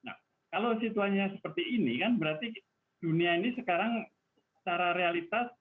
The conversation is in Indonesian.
nah kalau situasinya seperti ini kan berarti dunia ini sekarang secara realitas